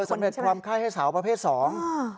ใช่ไหมเออสำเร็จความไข้ให้สาวประเภทสองอ่า